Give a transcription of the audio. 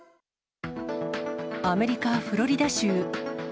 アメリカ・フロリダ州。